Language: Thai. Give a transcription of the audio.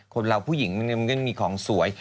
คนเราผู้หญิงมันก็มีของสวย